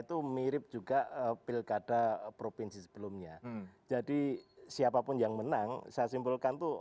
oh itu presiden men gitu